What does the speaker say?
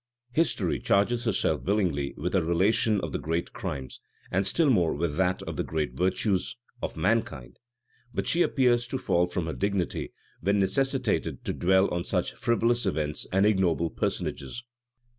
History charges herself willingly with a relation of the great crimes, and still more with that of the great virtues, of mankind; but she appears to fall from her dignity, when necessitated to dwell on such frivolous events and ignoble personages.